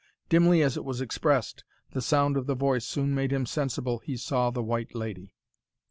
Dimly as it was expressed, the sound of the voice soon made him sensible he saw the White Lady.